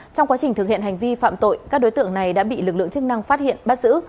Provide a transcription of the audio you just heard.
trong quá trình thực hiện hành vi phạm tội các đối tượng này đã bị lực lượng chức năng phát hiện bắt giữ